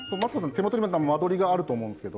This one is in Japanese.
手元に間取りがあると思うんですけど